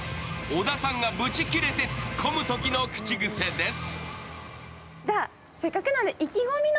小田さんがブチ切れてツッコむときの口癖です。